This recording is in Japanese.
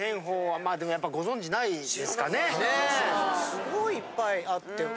すごいいっぱいあって。